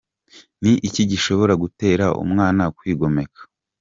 Ni iki gishobora gutera umwana kwigomeka.